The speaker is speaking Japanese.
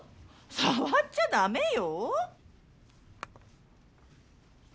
触っちゃ駄目よ。